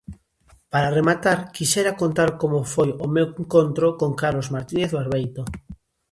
Para rematar, quixera contar como foi o meu encontro con Carlos Martínez-Barbeito.